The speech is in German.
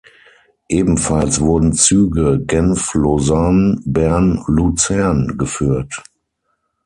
Ebenfalls wurden Züge Genf–Lausanne–Bern–Luzern geführt.